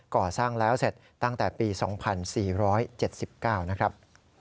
ก่อสร้างแล้วเสร็จตั้งแต่ปี๒๔๗๙นะครับ